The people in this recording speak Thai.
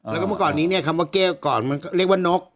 แล้วก็เมื่อก่อนนี้เนี่ยคำว่าแก้วก่อนมันก็เรียกว่านก